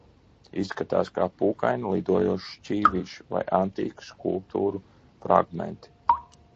Izskatās kā pūkaini lidojošie šķīvīši vai antīku skulptūru fragmenti.